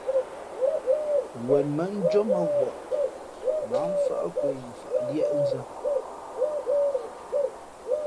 Wen mά njómα wαʼ mα ǎ mfάʼ nkwe yi mfα̌ʼ líéʼnzᾱ.